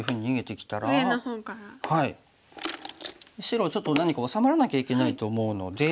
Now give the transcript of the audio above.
白はちょっと何か治まらなきゃいけないと思うので。